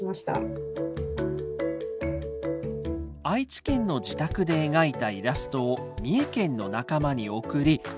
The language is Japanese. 愛知県の自宅で描いたイラストを三重県の仲間に送り